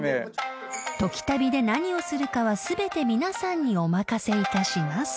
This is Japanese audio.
［『トキタビ』で何をするかは全て皆さんにお任せいたします］